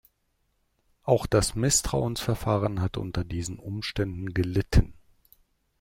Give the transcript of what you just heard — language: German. Auch das Misstrauensverfahren hat unter diesen Umständen gelitten.